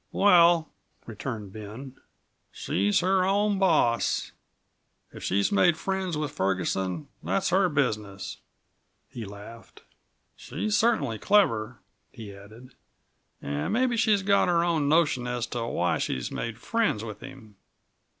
"Well," returned Ben, "she's her own boss. If she's made friends with Ferguson that's her business." He laughed. "She's certainly clever," he added, "and mebbe she's got her own notion as to why she's made friends with him.